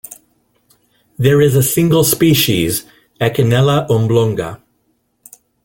There is a single species Echinella oblonga.